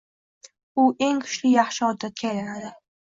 U eng kuchli yaxshi odatga aylanadi!